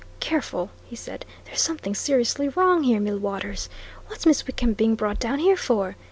"Careful!" he said. "There's something seriously wrong here, Millwaters! What's Miss Wickham being brought down here for?